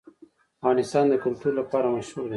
افغانستان د کلتور لپاره مشهور دی.